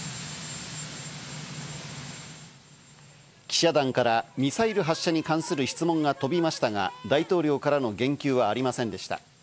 記者団からミサイル発射に関する質問が飛びましたが、大統領からの言及はありませんでした。